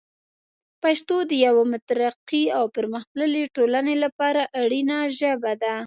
پښتو د یوه مترقي او پرمختللي ټولنې لپاره اړینه ژبه ده.